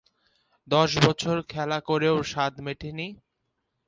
দশ বছর খেলা করেও সাধ মেটেনি?